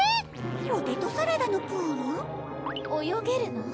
ポテトサラダのプール？泳げるの？